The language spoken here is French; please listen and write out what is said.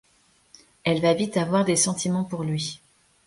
Elle va vite avoir des sentiments pour lui.